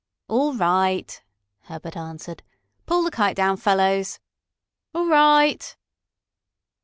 "All right," Herbert answered. "Pull the kite down, fellows." "All right."